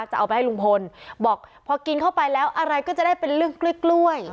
จะเอาไปให้ลุงพลบอกพอกินเข้าไปแล้วอะไรก็จะได้เป็นเรื่องกล้วย